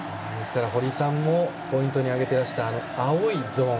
堀さんもポイントに挙げていた青いゾーン